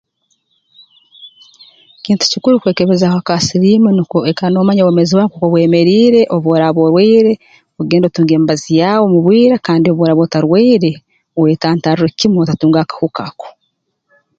Kintu kikuru kwekebeza akahuka ka siliimu nukwo oikale noomanya obwomeezi bwawe nkooku bwemeriire obu oraaba orwaire ogende otunge emibazi yaawe mu bwire kandi obu oraaba otarwaire oyetantarre kimu otatunga akahuka ako